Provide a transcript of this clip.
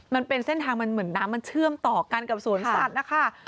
มันเป็นเส้นทางมันเหมือนน้ำมันเชื่อมต่อกันกับสวนสัตว์นะคะ